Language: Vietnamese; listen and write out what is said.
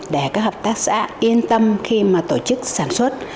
để các hợp tác xã yên tâm khi mà tổ chức sản xuất